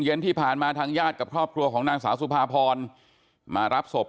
เย็นที่ผ่านมาทางญาติกับครอบครัวของนางสาวสุภาพรมารับศพ